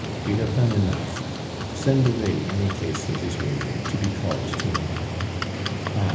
"We have done enough. Send away any case that is waiting, to be called to morrow. Ah!